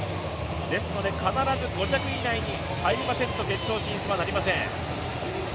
ですので必ず５着以内に入りませんと、決勝進出はなりません。